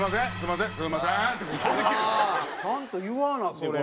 ちゃんと言わなそれを。